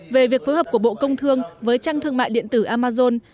về việc phối hợp của bộ công thương với trang thương mại điện tử amazon